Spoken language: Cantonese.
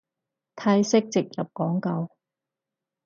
泰式植入廣告